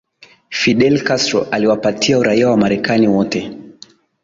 Fidel Castro aliwapatia uraia wamarekani wote